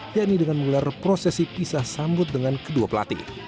yakni dengan menggelar prosesi pisah sambut dengan kedua pelatih